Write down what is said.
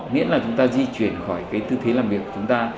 nghĩa là chúng ta di chuyển khỏi cái tư thế làm việc của chúng ta